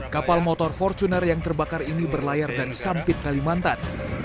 kapal motor fortuner yang terbakar ini berlayar dari sampit kalimantan